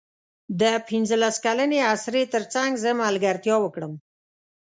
د پنځلس کلنې اسرې تر څنګ زه ملګرتیا وکړم.